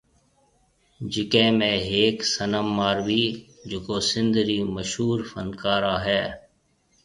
جڪي ۾ ھيَََڪ صنم ماروي جڪو سنڌ رِي مشھور فنڪارا ھيَََ